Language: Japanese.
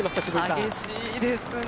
激しいですね。